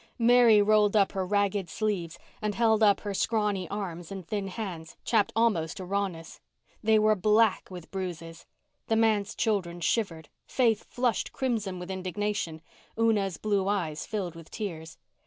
Mary rolled up her ragged sleeves, and held up her scrawny arms and thin hands, chapped almost to rawness. They were black with bruises. The manse children shivered. Faith flushed crimson with indignation. Una's blue eyes filled with tears.